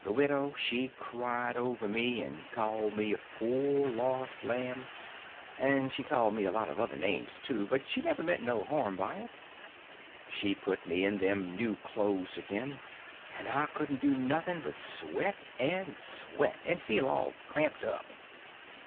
The widow she cried over me, and called me a poor lost lamb, and she called me a lot of other names, too, but she never meant no harm by it. She put me in them new clothes again, and I couldn't do nothing but sweat and sweat, and feel all cramped up.